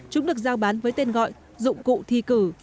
chúng được giao bán với tên gọi dụng cụ thi cử